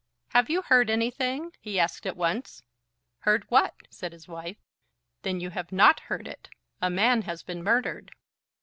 "Have you heard anything?" he asked at once. "Heard what?" said his wife. "Then you have not heard it. A man has been murdered."